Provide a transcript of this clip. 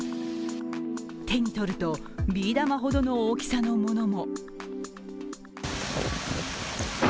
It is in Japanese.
手に取るとビー玉ほどの大きさのものも。